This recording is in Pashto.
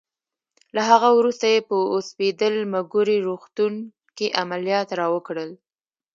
له هغه وروسته یې په اوسپیډل مګوري روغتون کې عملیات راوکړل.